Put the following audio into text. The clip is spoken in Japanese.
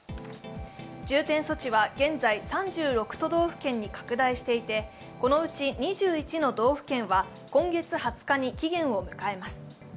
重点措置は現在、３６都道府県に拡大していてこのうち２１の道府県は今月２０日に期限を迎えます。